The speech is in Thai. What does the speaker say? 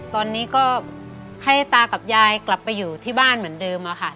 ตอนนี้ก็ให้ตากับยายกลับไปอยู่ที่บ้านเหมือนเดิมค่ะ